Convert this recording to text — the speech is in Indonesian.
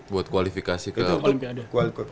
buat kualifikasi ke olimpiade